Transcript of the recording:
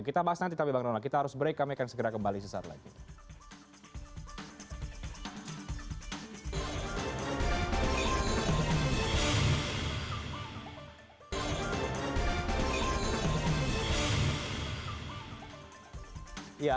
kita bahas nanti tapi bang donald kita harus break kami akan segera kembali sesaat lagi